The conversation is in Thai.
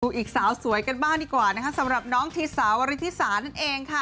อีกสาวสวยกันบ้างดีกว่านะคะสำหรับน้องทีสาวริธิสานั่นเองค่ะ